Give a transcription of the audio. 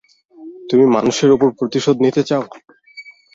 তুমি মানুষের উপর প্রতিশোধ নিতে চাও?